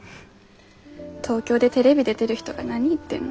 東京でテレビ出てる人が何言ってんの。